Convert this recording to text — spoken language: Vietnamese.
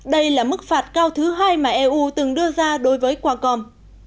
đây là mức phạt cao thứ hai mà eu từng đưa ra đối với quán quân